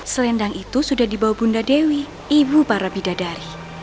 selendang itu sudah dibawa bunda dewi ibu para bidadari